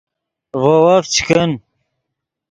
ڤے وف چے کن